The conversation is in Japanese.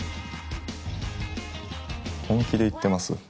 本気で言ってます？